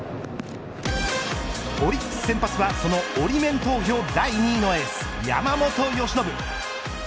オリックス先発はそのオリメン投票第２のエース山本由伸。